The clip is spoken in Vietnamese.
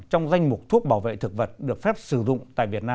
trong danh mục thuốc bảo vệ thực vật được phép sử dụng tại việt nam